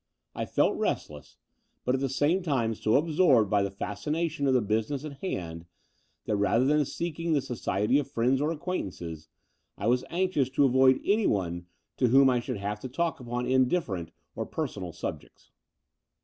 I felt restless, but at the same time so absorbed by the fascination of the business in hand that, rather than seeking the society of friends or acquaintances, I was anxious to avoid anyone to whom I should have to talk upon indifferent or personal subjects.